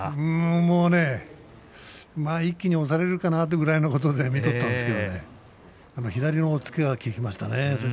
もうね一気に押されるかなというくらいで見とったんですけど左の押っつけが効きましたね。